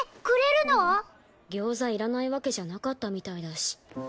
くれるの⁉ギョーザいらないわけじゃなかったみたいだし。